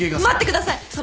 待ってください！